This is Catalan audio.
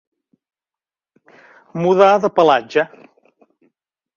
Mudar de pelatge.